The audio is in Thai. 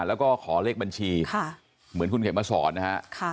แล้วก็ขอเลขบัญชีเหมือนคุณเข็มมาสอนนะฮะ